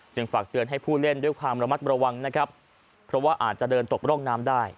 ฝากเตือนให้ผู้เล่นด้วยความระมัดระวังนะครับเพราะว่าอาจจะเดินตกร่องน้ำได้